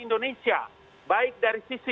indonesia baik dari sisi